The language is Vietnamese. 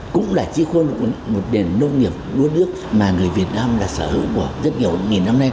cũng là trí khôn của một nông nghiệp đua nước mà người việt nam sở hữu của rất nhiều nghìn năm nay